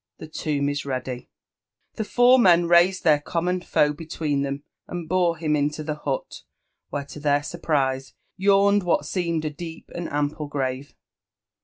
The tomb is ready." , The four men raised their common foe between them and bore him JONATHAN JEFFERSON WHITLAW. 361 into the hut, where, to their surprise, yawned what seemed a deep and ample grave.